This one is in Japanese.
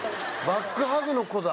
バックハグの子だ。